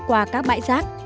qua các bãi rác